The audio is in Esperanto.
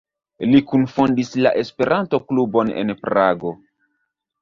Li kunfondis la Esperanto-klubon en Prago.